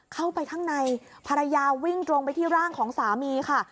เข้าไปข้างในภรรยาวิ่งตรงไปที่ร่างของสามีค่ะ